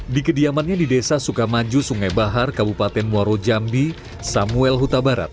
di kediamannya di desa sukamaju sungai bahar kabupaten muarujambi samuel hutabarat